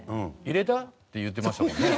「入れた？」って言ってましたもんね。